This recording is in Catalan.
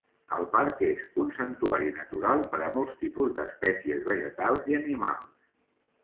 El parc és un santuari natural per a molts tipus d'espècies vegetals i animals.